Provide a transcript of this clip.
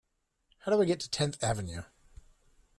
How do I get to Tenth Avenue?